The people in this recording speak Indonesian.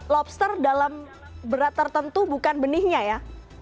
lobster dalam berat tertentu bukan benihnya ya